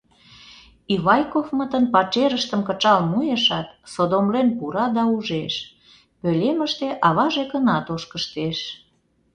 Ивайковмытын пачерыштым кычал муэшат, содомлен пура да ужеш: пӧлемыште аваже гына тошкыштеш.